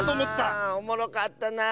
ああおもろかったなあ。